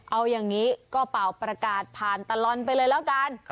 เอาอย่างนี้ก็เป่าประกาศผ่านตลอนไปเลยแล้วกัน